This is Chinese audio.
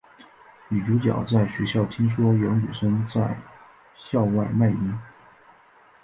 女主角在学校听说有女生在校外卖淫。